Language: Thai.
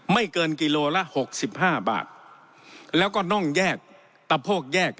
ไม่เกินกิโลละหกสิบห้าบาทแล้วก็น่องแยกตะโพกแยก